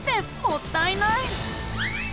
もったいない。